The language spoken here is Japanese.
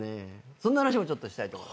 そんな話もちょっとしたいと思います。